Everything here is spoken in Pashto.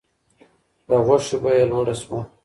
د غوښې بیه لوړه شوه.